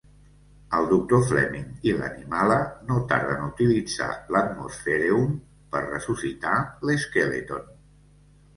El Doctor Fleming i l'Animala no tarden a utilitzar l'atmosphereum per ressuscitar l'Skeleton.